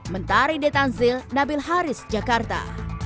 mentari detanzil nabil haris jakarta